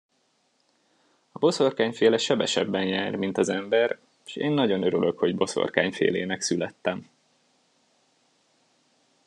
A boszorkányféle sebesebben jár, mint az ember, s én nagyon örülök, hogy boszorkányfélének születtem.